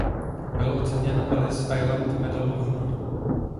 Byl oceněn "Ellis Island Medal of Honor".